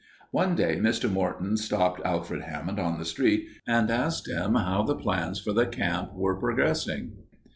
One day Mr. Morton stopped Alfred Hammond on the street and asked him how the plans for the camp were progressing.